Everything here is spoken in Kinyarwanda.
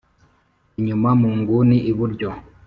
inyuma munguni iburyo